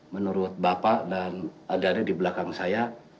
menurut bapak dan adik adik di belakang saya